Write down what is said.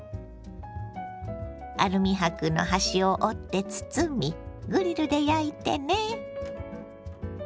アルミ箔の端を折って包みグリルで焼いてね。